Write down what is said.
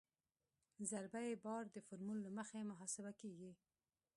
ضربه یي بار د فورمول له مخې محاسبه کیږي